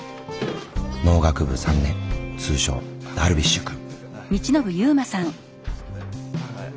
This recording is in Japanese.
農学部３年通称ダルビッシュ君。